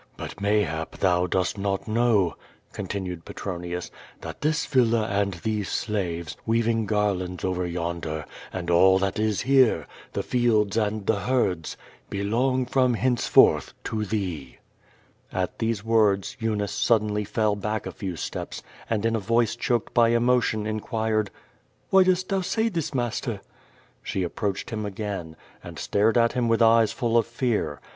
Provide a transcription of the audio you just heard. "But, mayhap, thou dost not know," continued Petronius, "that this villa and these slaves, weaving garlands over yon der, and all that is here, the fields and the herds, belong from henceforth to thee." At these words Eunice suddenly fell back a few steps, and in a voice choked by emotion inquired: "Why dost thou say this, master?" She approached him again, and stared at him with eyes full of fear.